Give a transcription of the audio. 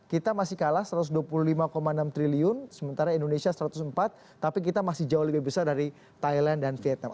kita masih kalah satu ratus dua puluh lima enam triliun sementara indonesia satu ratus empat tapi kita masih jauh lebih besar dari thailand dan vietnam